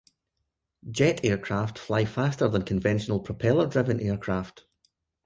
Jet aircraft fly faster than conventional propeller-driven aircraft.